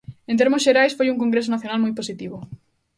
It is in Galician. En termos xerais foi un Congreso Nacional moi positivo.